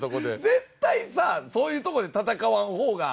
絶対さそういうとこで戦わん方が。